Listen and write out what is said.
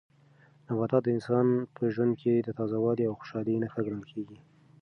نباتات د انسان په ژوند کې د تازه والي او خوشالۍ نښه ګڼل کیږي.